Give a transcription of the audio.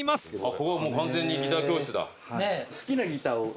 ここ完全にギター教室だ。